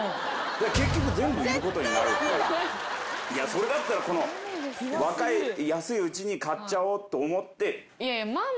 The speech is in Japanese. それだったらこの安いうちに買っちゃおうと思って。